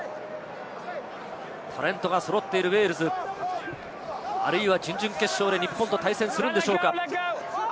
タレントが揃っているウェールズ。あるいは準々決勝で日本と対戦するんでしょうか？